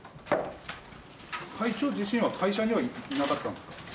会長自身は会社にはいなかったんですか？